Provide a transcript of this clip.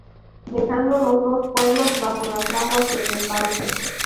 Dejando los dos pueblos bajo las aguas del embalse.